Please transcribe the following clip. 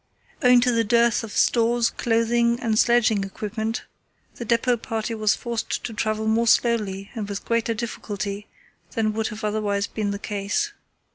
Owing to the dearth of stores, clothing, and sledging equipment, the depot party was forced to travel more slowly and with greater difficulty than would have otherwise been the case.